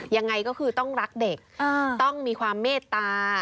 ยังไงก็คือต้องรักเด็กต้องมีความเมตตา